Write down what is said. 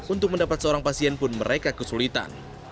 untuk mendapat seorang pasien pun mereka kesulitan